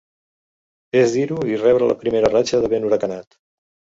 És dir-ho i rebre la primera ratxa de vent huracanat.